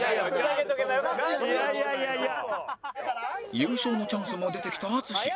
優勝のチャンスも出てきた淳